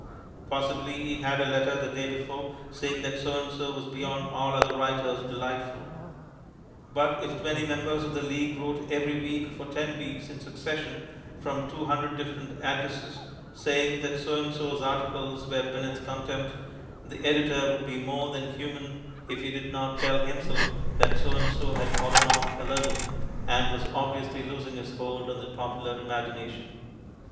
Possibly he had a letter the day before saying that So and So was beyond all other writers delightful. But if twenty members of the League wrote every week for ten weeks in succession, from two hundred different addresses, saying that So and So's articles were beneath contempt, the editor would be more than human if he did not tell himself that So and So had fallen off a little and was obviously losing his hold on the popular imagination.